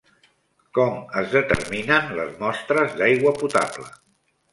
Com es determinen les mostres d'aigua potable?